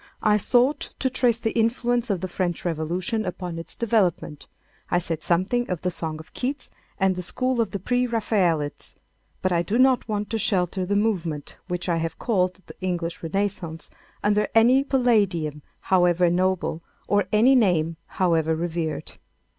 I sought to trace the influence of the French Revolution upon its development. I said something of the song of Keats and the school of the pre Raphaelites. But I do not want to shelter the movement, which I have called the English Renaissance, under any palladium however noble, or any name however revered.